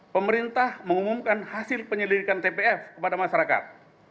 pemerintah mengumumkan hasil penyelidikan tpf kepada masyarakat